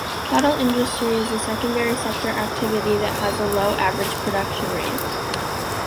Cattle industry is a secondary sector activity that has a low average production rate.